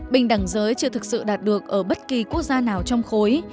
bình đẳng giới chưa thực sự đạt được ở bất kỳ quốc gia nào trong khối